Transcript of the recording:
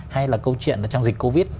hay là câu chuyện trong dịch covid